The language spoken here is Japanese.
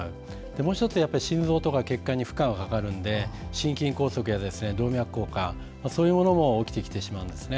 もう１つ、心臓とか血管に負荷がかかるので心筋梗塞や動脈硬化なども起きてきてしまうんです。